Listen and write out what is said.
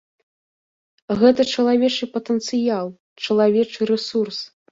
Гэта чалавечы патэнцыял, чалавечы рэсурс.